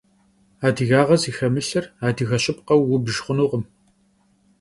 Adıgağe zıxemılhır adıge şıpkheu vubjj xhunukhım.